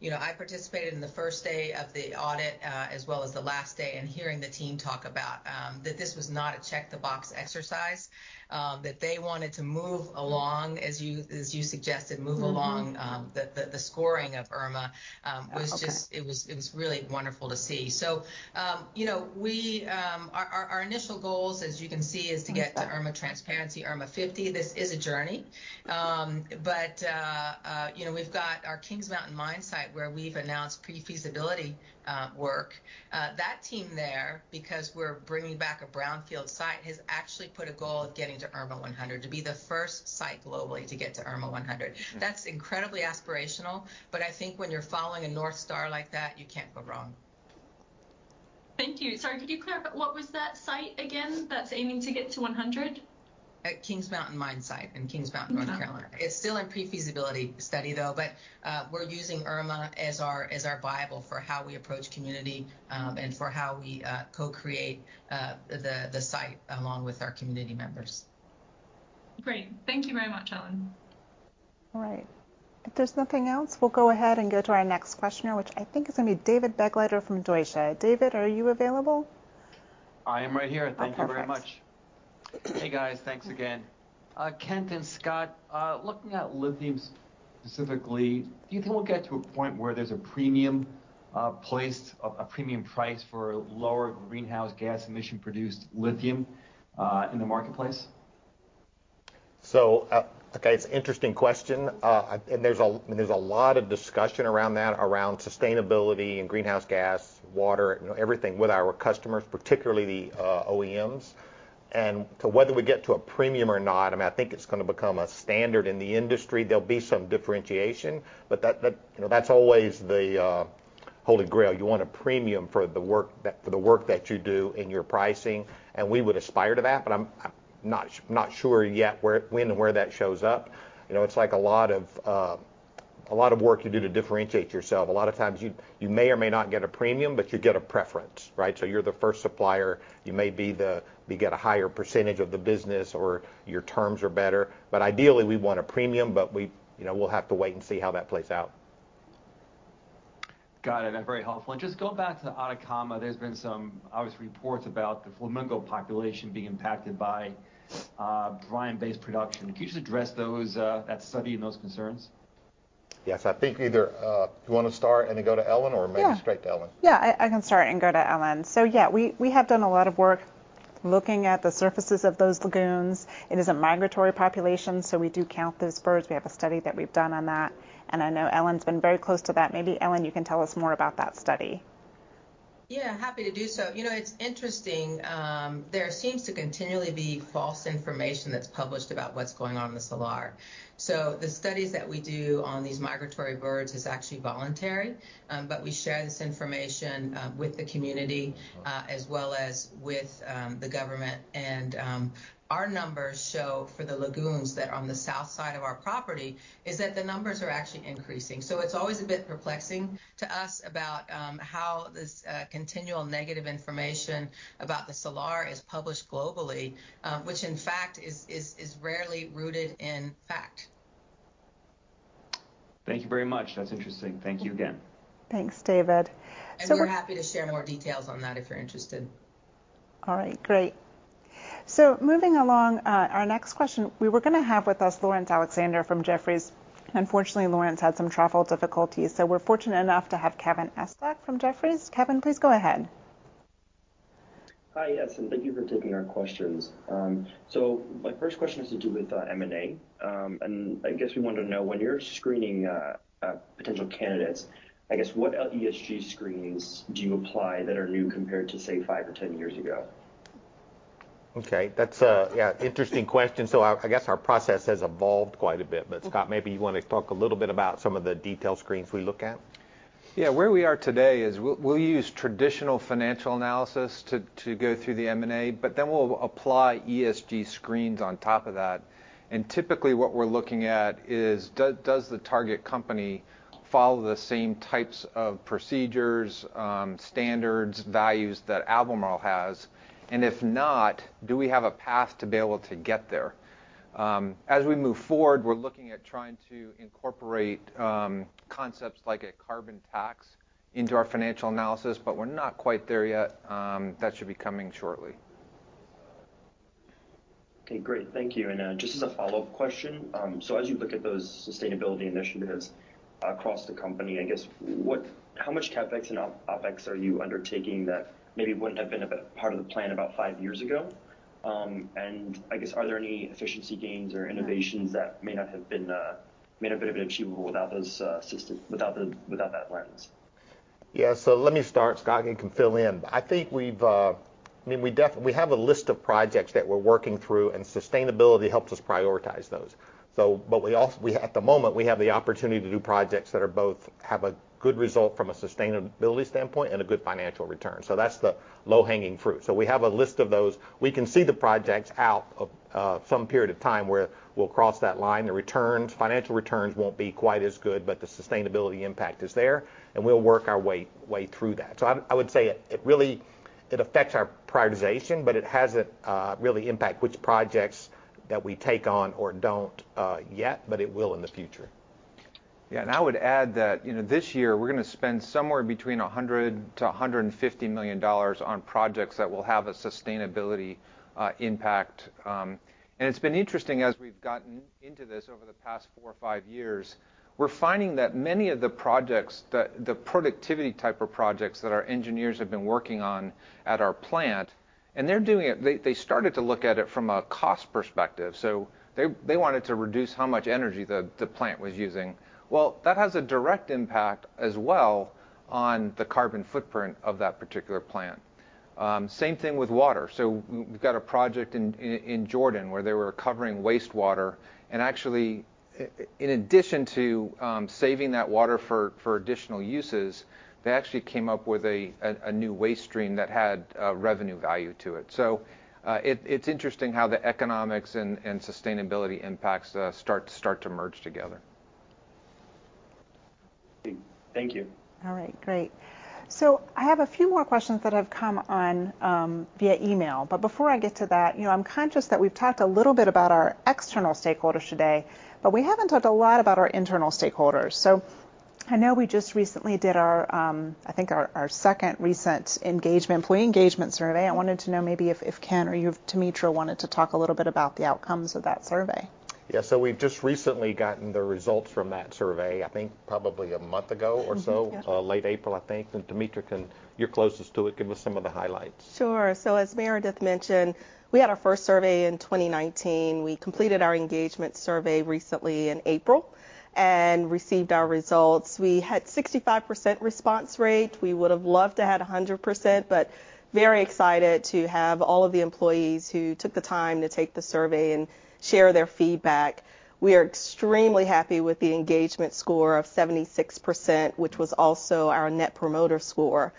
[SPEAKER 4] You know, I participated in the first day of the audit, as well as the last day and hearing the team talk about that this was not a check-the-box exercise, that they wanted to move along, as you suggested.
[SPEAKER 1] Mm-hmm
[SPEAKER 4] move along, the scoring of IRMA.
[SPEAKER 7] Okay
[SPEAKER 4] It was really wonderful to see. You know, our initial goals, as you can see, is to get-
[SPEAKER 1] Mm
[SPEAKER 4] ...to IRMA transparency, IRMA 50. This is a journey. You know, we've got our Kings Mountain mine site, where we've announced pre-feasibility work. That team there, because we're bringing back a brownfield site, has actually put a goal of getting to IRMA 100, to be the first site globally to get to IRMA 100.
[SPEAKER 1] Sure.
[SPEAKER 4] That's incredibly aspirational, but I think when you're following a North Star like that, you can't go wrong.
[SPEAKER 7] Thank you. Sorry, could you clarify, what was that site again that's aiming to get to 100?
[SPEAKER 4] At Kings Mountain mine site in Kings Mountain, North Carolina.
[SPEAKER 7] Okay.
[SPEAKER 4] It's still in pre-feasibility study though, but we're using IRMA as our bible for how we approach community, and for how we co-create the site along with our community members.
[SPEAKER 7] Great. Thank you very much, Ellen.
[SPEAKER 1] All right. If there's nothing else, we'll go ahead and go to our next questioner, which I think is gonna be David Begleiter from Deutsche Bank. David, are you available?
[SPEAKER 8] I am right here.
[SPEAKER 1] Oh, perfect.
[SPEAKER 8] Thank you very much. Hey, guys. Thanks again. Kent and Scott, looking at lithium specifically, do you think we'll get to a point where there's a premium price for lower greenhouse gas emission-produced lithium in the marketplace?
[SPEAKER 2] Okay, it's an interesting question. There's a lot of discussion around that, around sustainability and greenhouse gas, water, you know, everything with our customers, particularly the OEMs. To whether we get to a premium or not, I mean, I think it's gonna become a standard in the industry. There'll be some differentiation, but that, you know, that's always the holy grail. You want a premium for the work that you do in your pricing, and we would aspire to that, but I'm not sure yet where, when and where that shows up. You know, it's like a lot of work you do to differentiate yourself. A lot of times you may or may not get a premium, but you get a preference, right? You're the first supplier, you get a higher percentage of the business or your terms are better. Ideally, we want a premium, but we, you know, we'll have to wait and see how that plays out.
[SPEAKER 8] Got it. Very helpful. Just going back to Atacama, there's been some obvious reports about the flamingo population being impacted by brine-based production. Can you just address those, that study and those concerns?
[SPEAKER 2] Yes. I think either you wanna start and then go to Ellen.
[SPEAKER 1] Yeah
[SPEAKER 2] Maybe straight to Ellen.
[SPEAKER 1] Yeah, I can start and go to Ellen. Yeah, we have done a lot of work looking at the surfaces of those lagoons. It is a migratory population, so we do count those birds. We have a study that we've done on that, and I know Ellen's been very close to that. Maybe Ellen, you can tell us more about that study.
[SPEAKER 4] Yeah, happy to do so. You know, it's interesting, there seems to continually be false information that's published about what's going on in the salar. The studies that we do on these migratory birds is actually voluntary, but we share this information with the community as well as with the government. Our numbers show, for the lagoons that are on the south side of our property, is that the numbers are actually increasing. It's always a bit perplexing to us about how this continual negative information about the salar is published globally, which in fact is rarely rooted in fact.
[SPEAKER 8] Thank you very much. That's interesting. Thank you again.
[SPEAKER 1] Thanks, David.
[SPEAKER 5] We're happy to share more details on that if you're interested.
[SPEAKER 1] All right. Great. Moving along, our next question, we were gonna have with us Laurence Alexander from Jefferies. Unfortunately, Laurence had some travel difficulties, so we're fortunate enough to have Kevin Estok from Jefferies. Kevin, please go ahead.
[SPEAKER 9] Hi, yes, thank you for taking our questions. My first question has to do with M&A. I guess we wanted to know, when you're screening potential candidates, I guess what ESG screens do you apply that are new compared to, say, five or 10 years ago?
[SPEAKER 2] Okay. That's a, yeah, interesting question. I guess our process has evolved quite a bit. Scott, maybe you wanna talk a little bit about some of the detailed screens we look at?
[SPEAKER 3] Yeah. Where we are today is we'll use traditional financial analysis to go through the M&A, but then we'll apply ESG screens on top of that. Typically, what we're looking at is does the target company follow the same types of procedures, standards, values that Albemarle has? If not, do we have a path to be able to get there? As we move forward, we're looking at trying to incorporate concepts like a carbon tax into our financial analysis, but we're not quite there yet. That should be coming shortly.
[SPEAKER 9] Okay. Great. Thank you. Just as a follow-up question, so as you look at those sustainability initiatives across the company, I guess how much CapEx and OpEx are you undertaking that maybe wouldn't have been part of the plan about five years ago? I guess, are there any efficiency gains or innovations that may not have been achievable without those systems, without that lens?
[SPEAKER 2] Yeah. Let me start. Scott, you can fill in. I think we've. I mean, we have a list of projects that we're working through, and sustainability helps us prioritize those. But we also, at the moment, we have the opportunity to do projects that are both have a good result from a sustainability standpoint and a good financial return. That's the low-hanging fruit. We have a list of those. We can see the projects out of some period of time where we'll cross that line. The returns, financial returns won't be quite as good, but the sustainability impact is there, and we'll work our way through that. I would say it really affects our prioritization, but it hasn't really impacted which projects that we take on or don't yet, but it will in the future.
[SPEAKER 3] I would add that, you know, this year we're gonna spend somewhere between $100-$150 million on projects that will have a sustainability impact. It's been interesting as we've gotten into this over the past four or five years. We're finding that many of the projects that the productivity type of projects that our engineers have been working on at our plant, and they're doing it—they started to look at it from a cost perspective, so they wanted to reduce how much energy the plant was using. Well, that has a direct impact as well on the carbon footprint of that particular plant. Same thing with water. We've got a project in Jordan where they were recovering wastewater. Actually, in addition to saving that water for additional uses, they actually came up with a new waste stream that had revenue value to it. It's interesting how the economics and sustainability impacts start to merge together.
[SPEAKER 9] Thank you.
[SPEAKER 1] All right. Great. I have a few more questions that have come in via email. Before I get to that, you know, I'm conscious that we've talked a little bit about our external stakeholders today, but we haven't talked a lot about our internal stakeholders. I know we just recently did, I think, our second recent employee engagement survey. I wanted to know maybe if Kent or you, Tametra, wanted to talk a little bit about the outcomes of that survey.
[SPEAKER 2] Yeah. We've just recently gotten the results from that survey, I think probably a month ago or so.
[SPEAKER 1] Mm-hmm. Yeah.
[SPEAKER 2] Late April, I think. Tametra can. You're closest to it. Give us some of the highlights.
[SPEAKER 5] Sure. As Meredith mentioned, we had our first survey in 2019. We completed our engagement survey recently in April and received our results. We had 65% response rate. We would've loved to have had 100%, but very excited to have all of the employees who took the time to take the survey and share their feedback. We are extremely happy with the engagement score of 76%, which was also our net promoter score.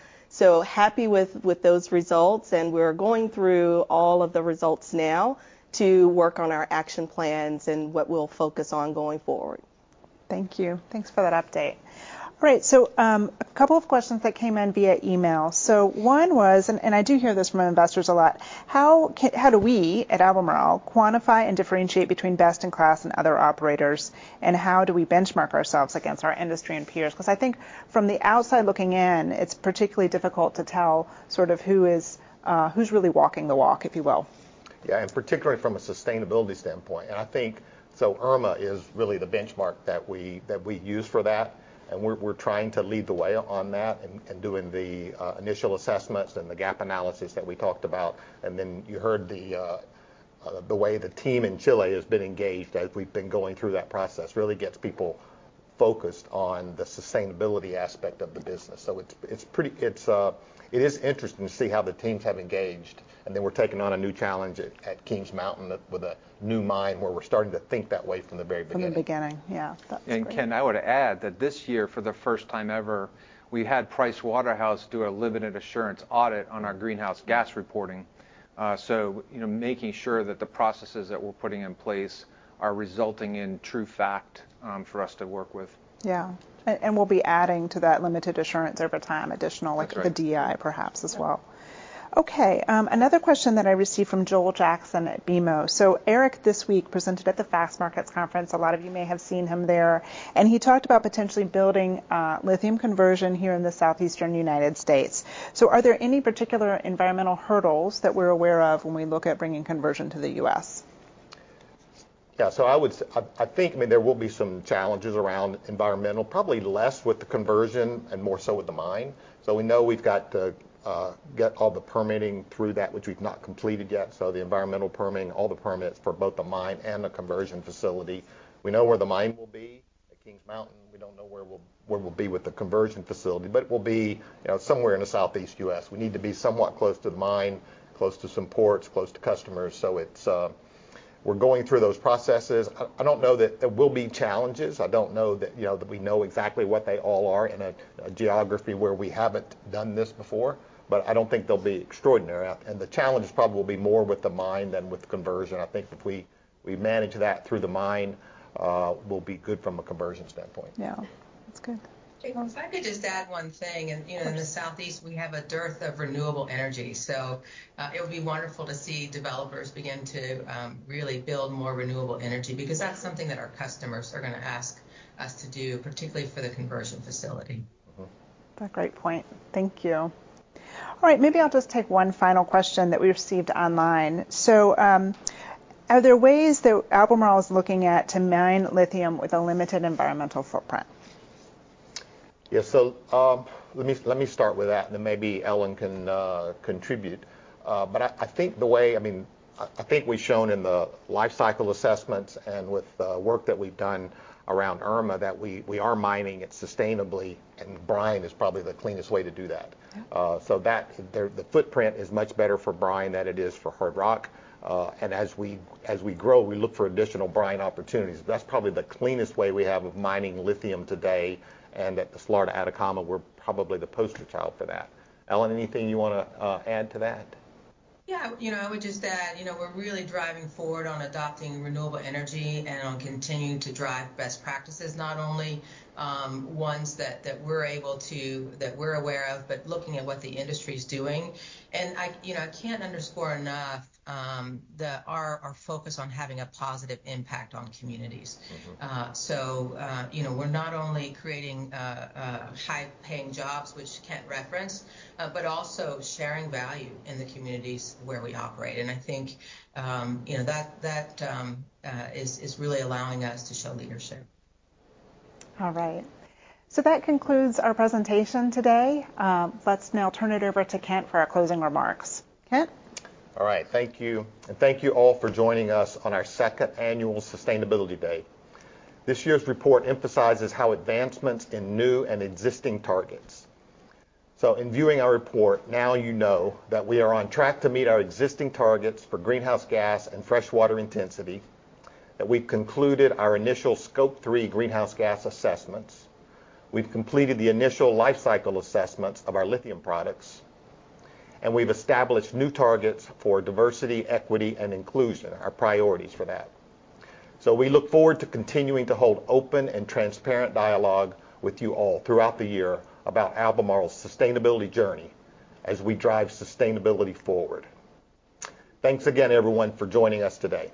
[SPEAKER 5] Happy with those results, and we're going through all of the results now.
[SPEAKER 2] To work on our action plans and what we'll focus on going forward.
[SPEAKER 1] Thank you. Thanks for that update. Right, a couple of questions that came in via email. One was, and I do hear this from our investors a lot, how do we at Albemarle quantify and differentiate between best in class and other operators? How do we benchmark ourselves against our industry and peers? 'Cause I think from the outside looking in, it's particularly difficult to tell sort of who is, who's really walking the walk, if you will.
[SPEAKER 2] Particularly from a sustainability standpoint. I think IRMA is really the benchmark that we use for that, and we're trying to lead the way on that and doing the initial assessments and the gap analysis that we talked about. You heard the way the team in Chile has been engaged as we've been going through that process really gets people focused on the sustainability aspect of the business. It is interesting to see how the teams have engaged, and then we're taking on a new challenge at Kings Mountain with a new mine where we're starting to think that way from the very beginning.
[SPEAKER 1] From the beginning. Yeah. That's great.
[SPEAKER 3] Kent, I would add that this year, for the first time ever, we had PricewaterhouseCoopers do a limited assurance audit on our greenhouse gas reporting. You know, making sure that the processes that we're putting in place are resulting in true fact, for us to work with.
[SPEAKER 1] Yeah, we'll be adding to that limited assurance over time, additional.
[SPEAKER 3] That's right.
[SPEAKER 1] Like the DEI perhaps as well.
[SPEAKER 3] Yeah.
[SPEAKER 1] Okay. Another question that I received from Joel Jackson at BMO. Eric this week presented at the Fastmarkets conference. A lot of you may have seen him there. He talked about potentially building lithium conversion here in the southeastern United States. Are there any particular environmental hurdles that we're aware of when we look at bringing conversion to the US?
[SPEAKER 2] Yeah. I think, I mean, there will be some challenges around environmental, probably less with the conversion and more so with the mine. We know we've got to get all the permitting through that which we've not completed yet, so the environmental permitting, all the permits for both the mine and the conversion facility. We know where the mine will be, at Kings Mountain. We don't know where we'll be with the conversion facility, but it will be, you know, somewhere in the Southeast US. We need to be somewhat close to the mine, close to some ports, close to customers, so it's. We're going through those processes. I don't know that there will be challenges. I don't know that, you know, that we know exactly what they all are in a geography where we haven't done this before. I don't think they'll be extraordinary. The challenge is probably will be more with the mine than with the conversion. I think if we manage that through the mine, we'll be good from a conversion standpoint.
[SPEAKER 1] Yeah. That's good.
[SPEAKER 4] Kent, if I could just add one thing.
[SPEAKER 1] Of course.
[SPEAKER 4] You know, in the Southeast we have a dearth of renewable energy, so it would be wonderful to see developers begin to really build more renewable energy, because that's something that our customers are gonna ask us to do, particularly for the conversion facility.
[SPEAKER 2] Mm-hmm.
[SPEAKER 1] A great point. Thank you. All right. Maybe I'll just take one final question that we received online. Are there ways that Albemarle is looking at to mine lithium with a limited environmental footprint?
[SPEAKER 2] Yeah. Let me start with that and then maybe Ellen can contribute. I think the way, I mean, I think we've shown in the lifecycle assessments and with the work that we've done around IRMA that we are mining it sustainably, and brine is probably the cleanest way to do that.
[SPEAKER 1] Yeah.
[SPEAKER 2] The footprint is much better for brine than it is for hard rock. As we grow, we look for additional brine opportunities. That's probably the cleanest way we have of mining lithium today, and at the Salar de Atacama we're probably the poster child for that. Ellen, anything you wanna add to that?
[SPEAKER 4] Yeah. You know, I would just add, you know, we're really driving forward on adopting renewable energy and on continuing to drive best practices, not only ones that we're able to, that we're aware of, but looking at what the industry's doing. I, you know, I can't underscore enough, our focus on having a positive impact on communities.
[SPEAKER 2] Mm-hmm.
[SPEAKER 4] you know, we're not only creating high-paying jobs, which Kent referenced, but also sharing value in the communities where we operate, and I think, you know, that is really allowing us to show leadership.
[SPEAKER 1] All right. That concludes our presentation today. Let's now turn it over to Kent for our closing remarks. Kent?
[SPEAKER 2] All right. Thank you, and thank you all for joining us on our second annual Sustainability Day. This year's report emphasizes how advancements in new and existing targets. In viewing our report, now you know that we are on track to meet our existing targets for greenhouse gas and freshwater intensity, that we've concluded our initial Scope 3 greenhouse gas assessments, we've completed the initial lifecycle assessments of our lithium products, and we've established new targets for diversity, equity, and inclusion, our priorities for that. We look forward to continuing to hold open and transparent dialogue with you all throughout the year about Albemarle's sustainability journey as we drive sustainability forward. Thanks again, everyone, for joining us today.